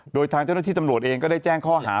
โดยทางเจ้าหน้าที่ตำรวจเองก็ได้แจ้งข้อหา